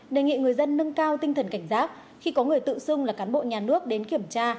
đề nghị người dân nâng cao tinh thần cảnh giác khi có người tự xưng là cán bộ nhà nước đến kiểm tra